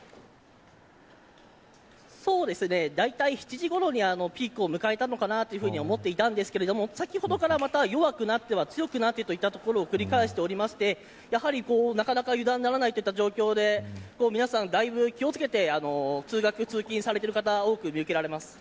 そうですね、だいたい７時ごろにピークを迎えたのかなというふうに思っていたんですが先ほどから弱くなってはまた強くなってを繰り返していてなかなか油断ならないといった状況で皆さん、だいぶ気を付けて通学通勤されている方が見受けられます。